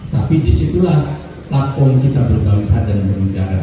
tapi disitulah lapon kita berbangsa dan bernegara